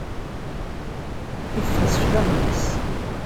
Iffeẓ cclaɣem-is.